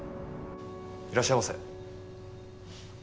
いらっしゃいませ。